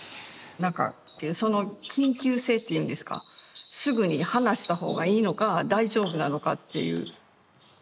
なんかその緊急性っていうんですかすぐに離した方がいいのか大丈夫なのかっていう。